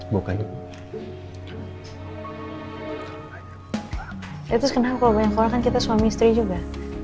bukan itu sekenang kalau banyak orang kita suami istri juga